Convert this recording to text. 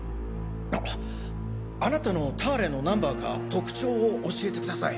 あっあなたのターレのナンバーか特徴を教えてください。